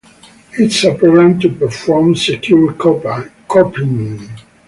It is a program to perform secure copying.